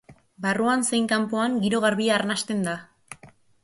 Barruan zein kanpoan giro garbia arnasten da.